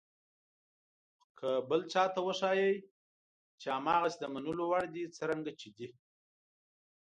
خو که بل ته وښایئ چې هماغسې د منلو وړ دي څرنګه چې دي.